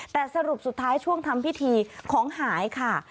แต่สรุปสุดท้ายช่วงทำพิธีของหายค่ะ